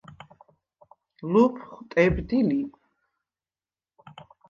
ლუფხუ̂ ტებდი ლი.